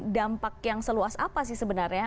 dampak yang seluas apa sih sebenarnya